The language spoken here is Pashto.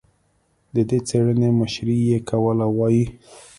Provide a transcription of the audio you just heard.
د دې څېړنې مشري یې کوله، وايي